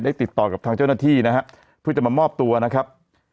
ติดต่อกับทางเจ้าหน้าที่นะฮะเพื่อจะมามอบตัวนะครับ